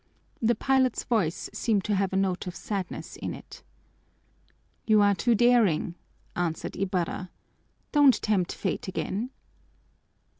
The pilot's voice seemed to have a note of sadness in it. "You are too daring," answered Ibarra. "Don't tempt fate again."